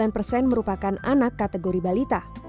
sembilan persen merupakan anak kategori balita